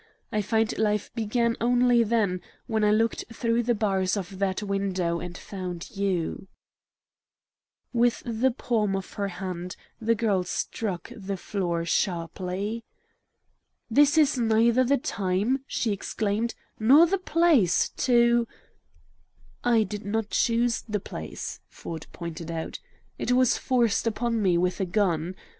I find life began only then, when I looked through the bars of that window and found YOU!" With the palm of her hand the girl struck the floor sharply. "This is neither the time," she exclaimed, "nor the place to " "I did not choose the place," Ford pointed out. "It was forced upon me with a gun.